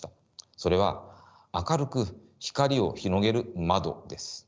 それは明るく光を広げる窓です。